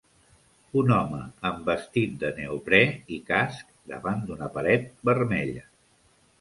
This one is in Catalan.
Un home amb vestit de neoprè i casc davant d'una paret vermella.